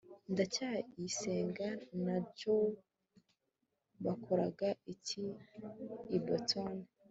ndacyayisenga na jabo bakoraga iki i boston